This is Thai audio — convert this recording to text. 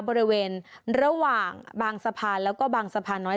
บริเวณระหว่างบางสะพานแล้วก็บางสะพานน้อย